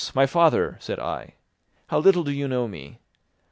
My father," said I, "how little do you know me.